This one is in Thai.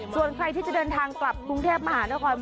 ส่วนใครที่จะเดินทางกลับกรุงเทพมหานคร